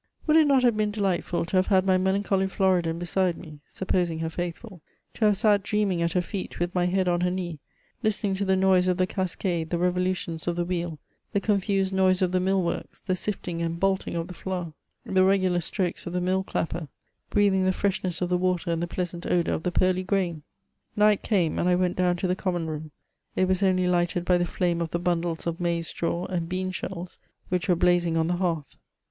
Would it not have been delightful to have had my melancholj Floridan beside me (supposing her faithful), to have sat dream ing at her feet, with my nead on her knee, listening to the noise of the cascade, the revolutions of the wheel, the confused noise of the mill works, the sifting and bolting of the flour, the regular strokes of the mill clapper, breathing the freshness of the wf^r and the pleasant odour of the pearly grain ? Night came, and 1 went down to the common room ; it was only lighted by the flame of the bundles of maize straw and bean shells which were blazing on the hearth.